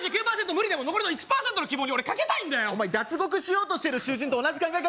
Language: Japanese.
無理でも残りの１％の希望に俺かけたいんだよお前脱獄しようとしてる囚人と同じ考え方